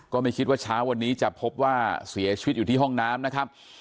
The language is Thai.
ก็ไม่คิดว่าเช้าวันนี้จะพบว่าเสียชีวิตอยู่ที่ห้องน้ำนะครับ